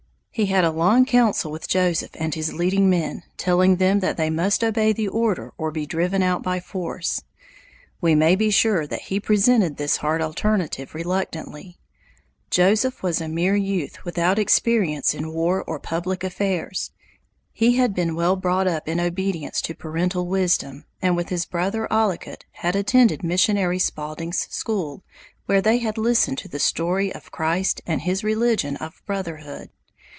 He had a long council with Joseph and his leading men, telling them they must obey the order or be driven out by force. We may be sure that he presented this hard alternative reluctantly. Joseph was a mere youth without experience in war or public affairs. He had been well brought up in obedience to parental wisdom and with his brother Ollicut had attended Missionary Spaulding's school where they had listened to the story of Christ and his religion of brotherhood.